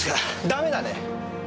ダメだね。